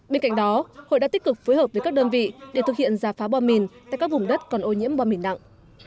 bên cạnh đó hội đã tích cực phối hợp với các đơn vị để thực hiện giả phá bom mìn tại các vùng đất còn ô nhiễm bom mìn nặng